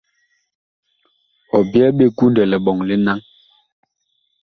Ɔ byɛɛ ɓe kundɛ liɓɔŋ li naŋ.